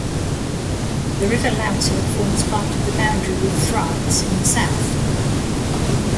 The river Lauter forms part of the boundary with France in the south.